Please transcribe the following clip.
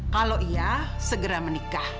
kalau iya segera menikah